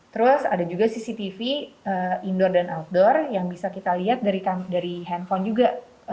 terus ada juga cctv indoor dan outdoor yang bisa kita lihat dari handphone juga